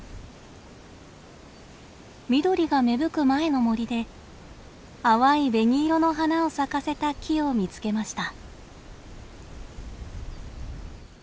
緑が芽吹く前の森で淡い紅色の花を咲かせた木を見つけました。